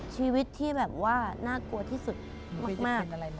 ชีวิตที่แบบว่าน่ากลัวที่สุดมาก